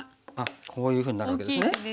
こういうふうになるわけですね。